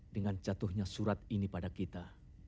dengan jatuhnya surat ini pada kita